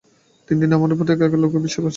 দিন দিন আমার প্রতি এখানকার লোকের বিশ্বাস বাড়ছে।